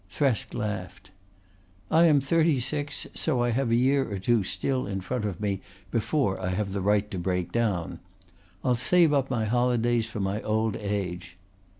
Thresk laughed. "I am thirty six, so I have a year or two still in front of me before I have the right to break down. I'll save up my holidays for my old age."